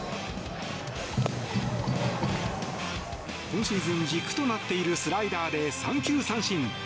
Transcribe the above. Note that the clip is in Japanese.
今シーズン軸となっているスライダーで三球三振。